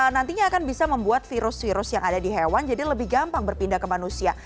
nantinya akan bisa membuat virus virus yang ada di hewan jadi lebih gampang berpindah ke manusia